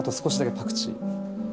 パクチー！